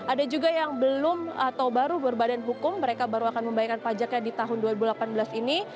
ada juga yang belum atau baru berbadan hukum mereka baru akan membayangkan pajaknya di tahun dua ribu delapan belas ini